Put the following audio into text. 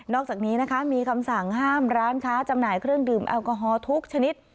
อกจากนี้นะคะมีคำสั่งห้ามร้านค้าจำหน่ายเครื่องดื่มแอลกอฮอล์ทุกชนิด